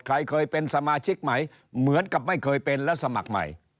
ใครเคยเป็นสมาชิกใหม่เหมือนกับไม่เคยเป็นและสมัครใหม่